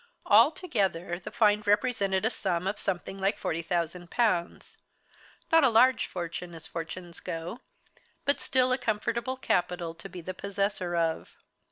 Altogether the find represented a sum of something like £40,000. Not a large fortune, as fortunes go, but still a comfortable capital to be the possessor of.